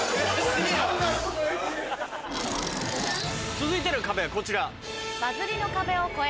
続いての壁はこちら。